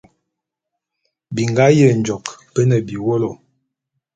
Bingá Yenjôk bé ne biwólo.